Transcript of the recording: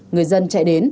người dân chạy đến